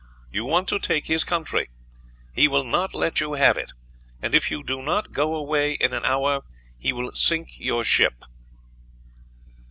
You want to take his country; he will not let you have it, and if you do not go away in an hour, he will sink your ship."